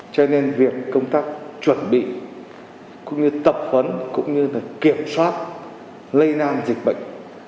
cho nên việc công tác chuẩn bị cũng như tập huấn cũng như kiểm soát lây lan dịch bệnh